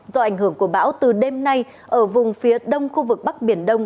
do ảnh hưởng của bão từ đêm nay ở vùng phía đông khu vực bắc biển đông